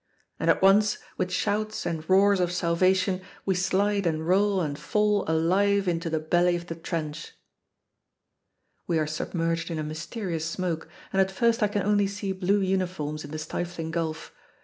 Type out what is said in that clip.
And at once, with shouts and roars of salvation, we slide and roll and fall alive into the belly of the trench! We are submerged in a mysterious smoke, and at first I can only see blue uniforms in the stifling gulf.